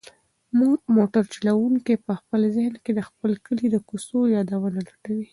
موټر چلونکی په خپل ذهن کې د خپل کلي د کوڅو یادونه لټوي.